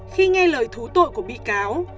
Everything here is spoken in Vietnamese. khi nghe lời thú tội của bị cáo